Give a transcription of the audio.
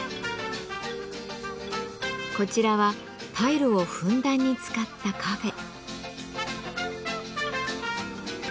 こちらはタイルをふんだんに使ったカフェ。